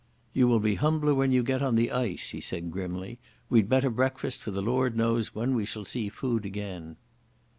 "You will be humbler when you get on the ice," he said grimly. "We'd better breakfast, for the Lord knows when we shall see food again."